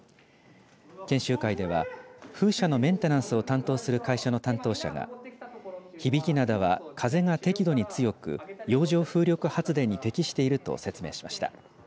研修会では風車のメンテナンスを担当する会社の担当者が響灘は風が適度に強く洋上風力発電に適していると説明しました。